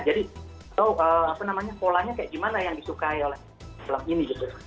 jadi atau apa namanya polanya kayak gimana yang disukai oleh film ini gitu